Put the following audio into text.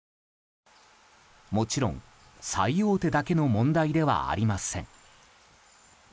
もちろん、最大手だけの問題ではありません。